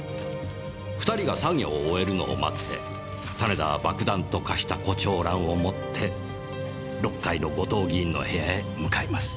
２人が作業を終えるのを待って種田は爆弾と化した胡蝶蘭を持って６階の後藤議員の部屋へ向かいます。